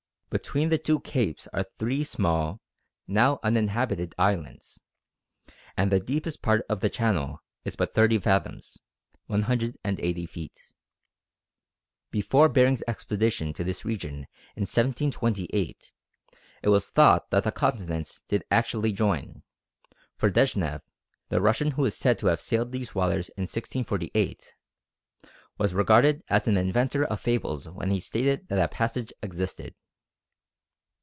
Between the two capes are three small (now uninhabited) islands, and the deepest part of the channel is but 30 fathoms (180 feet). Before Behring's expedition to this region in 1728 it was thought that the continents did actually join; for Deschnev, the Russian who is said to have sailed these waters in 1648, was regarded as an inventor of fables when he stated that a passage existed.